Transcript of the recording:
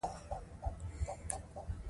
هغې د کورني ژوند د ښه والي لپاره خپل وخت ورکوي.